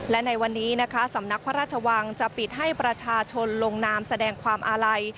และในวันนี้นะคะสำนักพระราชวังจะปิดให้ประชาชนลงนามแสดงความอาลัย